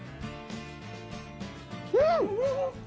うん！